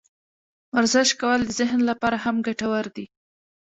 ورزش کول د ذهن لپاره هم ګټور دي.